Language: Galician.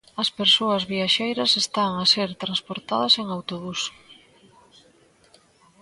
As persoas viaxeiras están a ser transportadas en autobús.